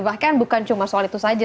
bahkan bukan cuma soal itu saja